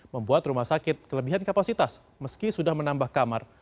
membuat rumah sakit kelebihan kapasitas meski sudah menambah kamar